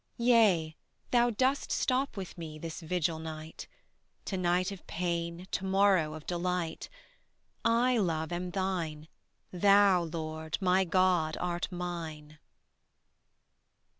Yea, Thou dost stop with me this vigil night; To night of pain, to morrow of delight: I, Love, am Thine; Thou, Lord, my God, art mine.